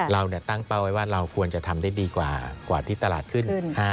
เราตั้งเป้าไว้ว่าเราควรจะทำได้ดีกว่าที่ตลาดขึ้น